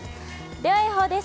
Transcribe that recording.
では予報です。